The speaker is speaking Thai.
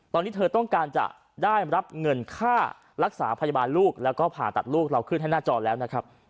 ตอนนี้เธอต้องการจะได้รับเงินค่ารักษาพยาบาลลูกแล้วก็ผ่าตัดลูกเราขึ้นให้หน้าจอแล้วนะครับ